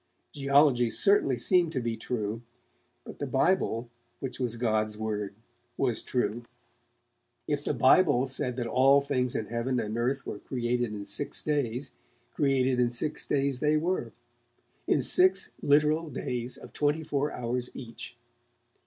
Geology certainly seemed to be true, but the Bible, which was God's word, was true. If the Bible said that all things in Heaven and Earth were created in six days, created in six days they were, in six literal days of twenty four hours each.